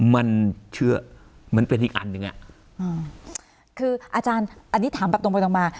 มันเชื่อมันเป็นอีกอันหนึ่งอ่ะอืมคืออาจารย์อันนี้ถามแบบตรงไปตรงมา